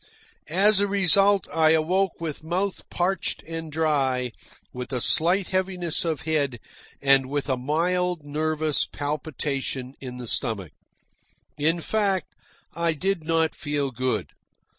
As a result I awoke with mouth parched and dry, with a slight heaviness of head, and with a mild nervous palpitation in the stomach. In fact I did not feel good.